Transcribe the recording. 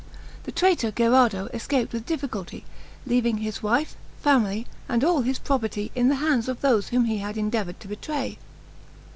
The traitor Gherardo escaped with difficulty, leaving his wife, family, and all his property, in the hands of those whom he had endeavored to betray.